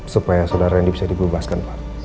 supaya sundara randy bisa dibebaskan pak